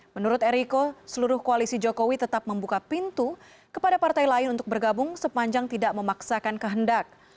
menurut eriko seluruh koalisi jokowi tetap membuka pintu kepada partai lain untuk bergabung sepanjang tidak memaksakan kehendak